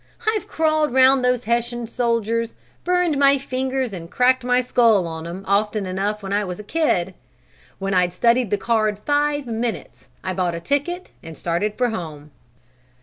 I've crawled round those Hessian soldiers, burned my fingers and cracked my skull on 'em, often enough when I was a kid! When I'd studied the card five minutes, I bought a ticket and started for home."